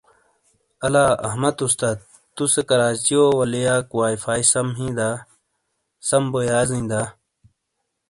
الہ احمد استاد تُوسے کراچیو والیاک وائی فائی سَم ہیں دا؟ سم بو یازیں دا؟